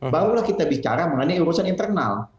barulah kita bicara mengenai urusan internal